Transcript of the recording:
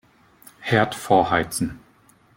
Herd vorheizen.